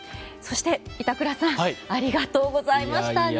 そして、板倉さんありがとうございました。